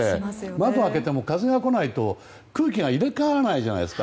窓開けても風が来ないと空気が入れ替わらないじゃないですか。